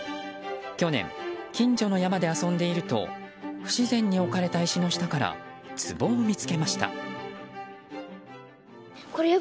去年、近所の山で遊んでいると不自然に置かれた石の下からつぼを見つけました。